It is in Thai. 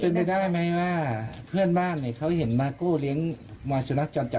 เป็นไปได้ไหมว่าเพื่อนบ้านเนี่ยเขาเห็นมากู้เลี้ยงมาสุนัขจรจัด